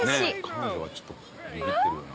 彼女はちょっとビビってるような。